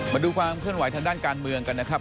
มาดูความเคลื่อนไหวทางด้านการเมืองกันนะครับ